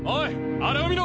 あれを見ろ！